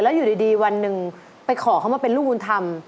แล้วอยู่ดีวันหนึ่งไปขอเขามาเป็นลูกบุญธรรม